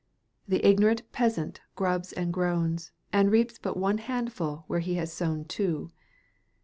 The ignorant peasant grubs and groans, and reaps but one handful where he has sown two.